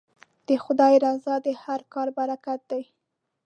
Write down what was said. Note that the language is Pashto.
د خدای رضا د هر کار برکت دی.